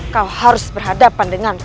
kau harus berhadapan dengan ku